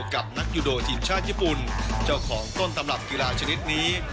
กับนักยูโดทีมชาติญี่ปุ่นเจ้าของต้นตำรับกีฬาชนิดนี้